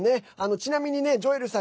ちなみに、ジョエルさん